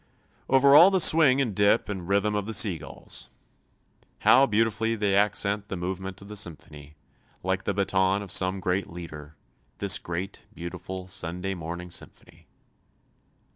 Over all the swing and dip and rhythm of the sea gulls. How beautifully they accent the movement of the symphony, like the baton of some great leader this great beautiful Sunday morning symphony.